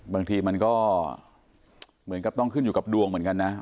บางทีมันก็เหมือนกับต้องขึ้นอยู่กับดวงเหมือนกันนะ